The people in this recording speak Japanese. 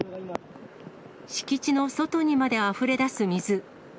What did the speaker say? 敷地の外にまであふれ出す水。